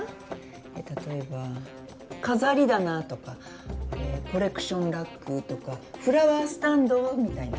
えぇ例えば飾り棚とかえぇコレクションラックとかフラワースタンドみたいな。